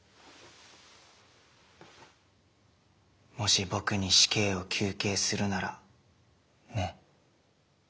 もし僕に死刑を求刑するならね。